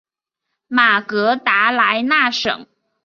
马格达莱纳省。